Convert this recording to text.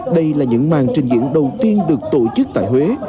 đây là những màn trình diễn đầu tiên được tổ chức tại huế